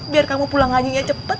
biar kamu pulang ngajinya cepat